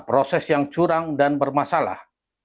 proses yang curang dan bermasalah